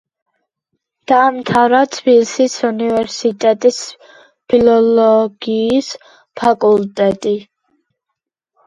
დაამთავრა თბილისის უნივერსიტეტის ფილოლოგიის ფაკულტეტი.